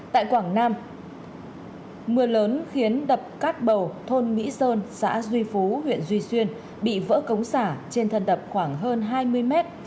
tại quảng nam mưa lớn khiến đập cát bầu thôn mỹ sơn xã duy phú huyện duy xuyên bị vỡ cống xả trên thân đập khoảng hơn hai mươi mét